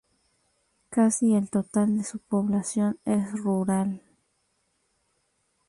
Casi el total de su población es rural.